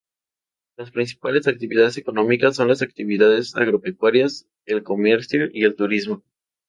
Las principales actividades económicas son las actividades agropecuarias, el comercio y el turismo.